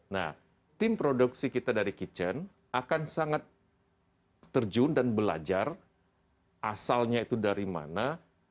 nah tim produksi kita dari kitchen akan sangat terjun dan belajar asalnya itu dari mana